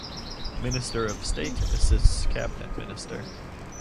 Minister of State assists cabinet minister.